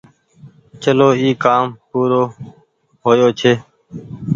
چلو اي ڪآم پورو هو يو ڇي